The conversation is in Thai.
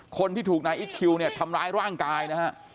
คนที่ถูกนายอิ๊กคิวเนี่ยทำร้ายร่างกายนะฮะ